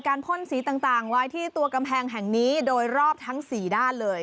พ่นสีต่างไว้ที่ตัวกำแพงแห่งนี้โดยรอบทั้ง๔ด้านเลย